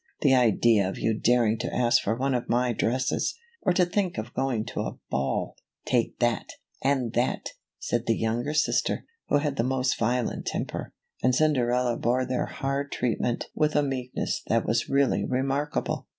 The idea of you daring to ask for one of my dresses, or to think of going to a ball! Take that! — and that!" said the younger sister, who had the most violent temper. And Cinderella bore their hard treatment with a meekness that was really remarkable.